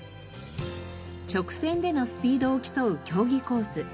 直線でのスピードを競う競技コース。